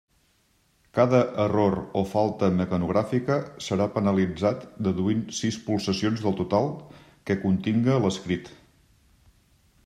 Cada error o falta mecanogràfica serà penalitzat deduint sis pulsacions del total que continga l'escrit.